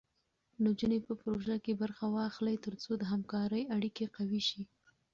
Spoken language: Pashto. نجونې په پروژو کې برخه واخلي، تر څو د همکارۍ اړیکې قوي شي.